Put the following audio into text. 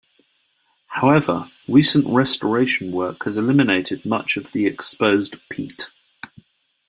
However, recent restoration work has eliminated much of the exposed peat.